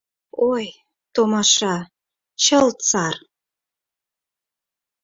Ой, томаша, чылт сар!